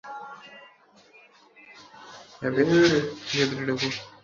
হ্যাঁ, ভেতরে ঢোকো।